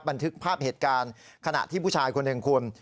บันทึกภาพเหตุการณ์ขณะที่ผู้ชายคนหนึ่งคุณ